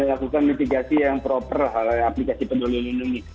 bisa dilakukan mitigasi yang proper aplikasi peduli lindungi